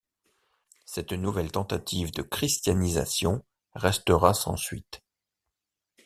Cette nouvelle tentative de christianisation restera sans suite.